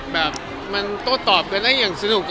แบบมันโตลักษณ์กันเลยก็ยังสนุก